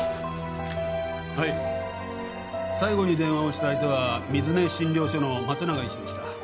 はい最後に電話をした相手は水根診療所の松永医師でした。